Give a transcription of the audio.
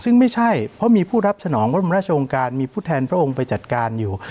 ซึ่งไม่ใช่เพราะมีผู้รับสนองพระบรมราชองค์การมีผู้แทนพระองค์ไปจัดการอยู่